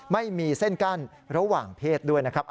ไม่มีเส้นกั้นระหว่างเพศด้วยนะครับ